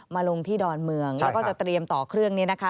ลงที่ดอนเมืองแล้วก็จะเตรียมต่อเครื่องนี้นะคะ